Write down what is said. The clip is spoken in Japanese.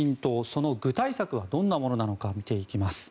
その具体策はどんなものか見ていきます。